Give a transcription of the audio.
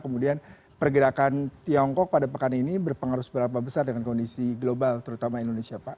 kemudian pergerakan tiongkok pada pekan ini berpengaruh seberapa besar dengan kondisi global terutama indonesia pak